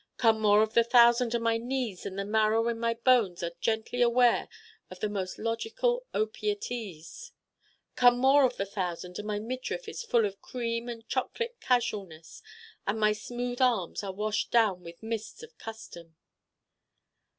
come more of the Thousand, and my knees and the marrow in my bones are gently aware of most logical opiate ease come more of the Thousand, and my midriff is full of cream and chocolate casualness and my smooth arms are washed down with mists of custom.